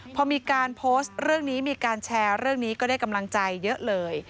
พอมีการโพสต์เรื่องนี้มีการแชร์เรื่องนี้ก็ได้กำลังใจเยอะเลย